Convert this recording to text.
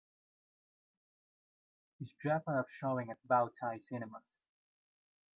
Is Jappeloup showing at Bow Tie Cinemas